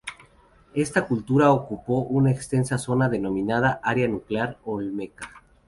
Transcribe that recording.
Esta cultura ocupó una extensa zona denominada área nuclear olmeca.